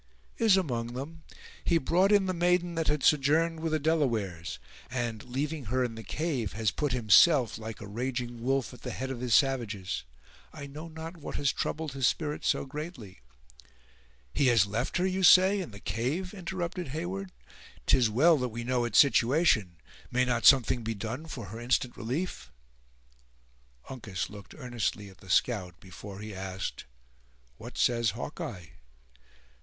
"Is among them. He brought in the maiden that had sojourned with the Delawares; and, leaving her in the cave, has put himself, like a raging wolf, at the head of his savages. I know not what has troubled his spirit so greatly!" "He has left her, you say, in the cave!" interrupted Heyward; "'tis well that we know its situation! May not something be done for her instant relief?" Uncas looked earnestly at the scout, before he asked: "What says Hawkeye?"